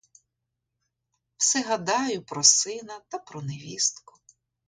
Все гадаю про сина та про невістку.